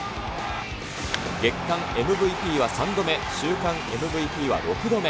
月間ＭＶＰは３度目、週間ＭＶＰは６度目。